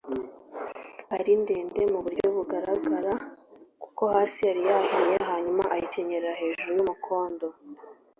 ari ndende mu buryo bugaragara kuko hasi yari yayihinnye hanyuma ayikenyerera hejuru y’umukondo